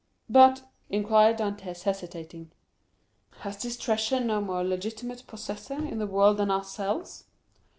"But," inquired Dantès hesitating, "has this treasure no more legitimate possessor in the world than ourselves?"